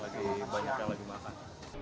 jadi banyak yang lagi makan